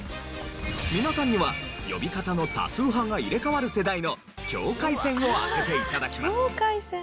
皆さんには呼び方の多数派が入れ替わる世代の境界線を当てて頂きます。